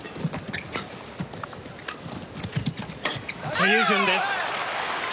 チェ・ユジュンです。